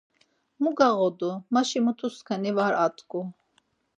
Mu gağodu, maşi mutuksani var atku.